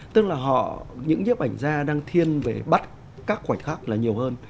tức là những nhiếp ảnh ra đang thiên về bắt các khoảnh khắc là nhiều hơn